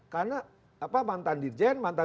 karena apa mantan dirjen mantan